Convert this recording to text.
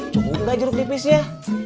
cukup gak jeruk nipisnya